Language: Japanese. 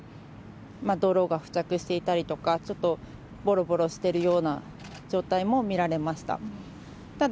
泥が付着していたりとか、ちょっとぼろぼろしてるような状態も見られました。